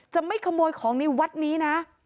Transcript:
จะไม่ขโมยของในวัดนี้นะ